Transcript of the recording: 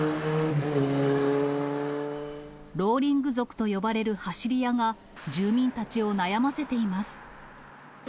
ローリング族と呼ばれる走り屋が住民たちを悩ませています。